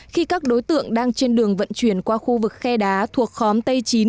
khi các đối tượng đang trên đường vận chuyển qua khu vực khe đá thuộc khóm tây chín